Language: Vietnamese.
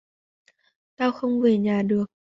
Tao không về nhà được